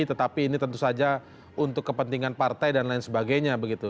tetapi ini tentu saja untuk kepentingan partai dan lain sebagainya begitu